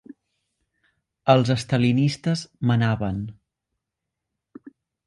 Els stalinistes manaven